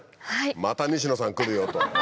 また西野さん来るよと。